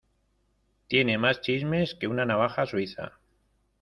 Tiene más chismes que una navaja suiza.